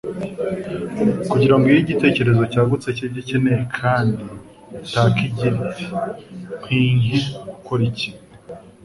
kugira ngo iyihe igitekerezo cyagutse cy'ibyo ikencye kandi itake igira iti : "Nkwinye gukora iki